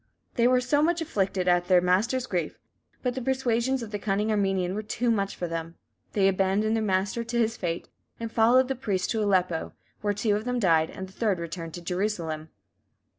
They were much afflicted at their master's grief, but the persuasions of the cunning Armenian were too much for them; they abandoned their master to his fate, and followed the priest to Aleppo, where two of them died, and the third returned to Jerusalem.